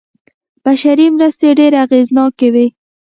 بشري مرستې ډېرې اغېزناکې وې.